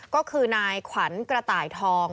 ก็คือนายขวัญกระต่ายทอง